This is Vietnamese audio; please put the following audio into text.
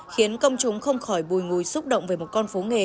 khiến công chúng không khỏi bùi ngùi xúc động về một con phố nghề